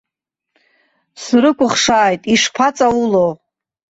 Срыкәыхшааит, ишԥаҵаулоу!